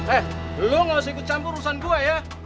eh lu gak usah ikut campur urusan gua ya